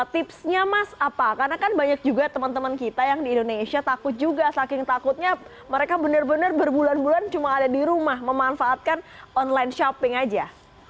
tipsnya mas apa karena kan banyak juga teman teman kita yang di indonesia takut juga saking takutnya mereka benar benar berbulan bulan cuma ada di rumah memanfaatkan online shopping aja